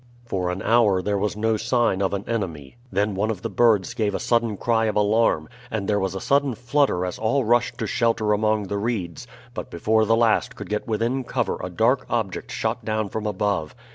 For an hour there was no sign of an enemy. Then one of the birds gave a sudden cry of alarm, and there was a sudden flutter as all rushed to shelter among the reeds; but before the last could get within cover a dark object shot down from above.